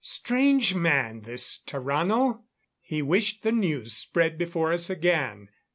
Strange man, this Tarrano! He wished the news spread before us again.